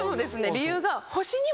理由が。